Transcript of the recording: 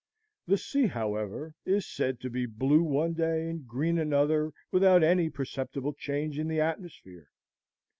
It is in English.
The sea, however, is said to be blue one day and green another without any perceptible change in the atmosphere.